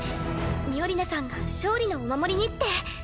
ミオリネさんが勝利のお守りにって。